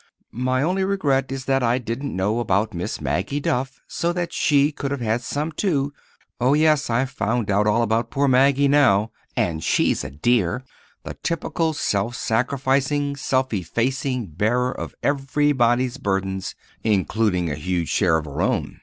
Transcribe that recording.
My only regret is that I didn't know about Miss Maggie Duff, so that she could have had some, too. (Oh, yes, I've found out all about "Poor Maggie" now, and she's a dear—the typical self sacrificing, self effacing bearer of everybody's burdens, including a huge share of her own!)